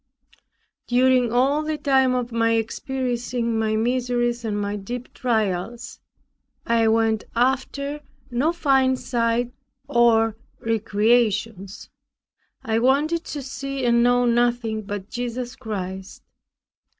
During all the time of my experiencing my miseries and my deep trials, I went after no fine sights or recreations. I wanted to see and know nothing but Jesus Christ.